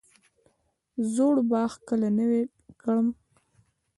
زوړ باغ کله نوی کړم؟